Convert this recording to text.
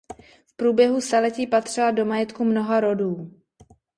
V průběhu staletí patřila do majetku mnoha rodů.